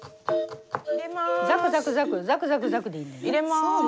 入れます。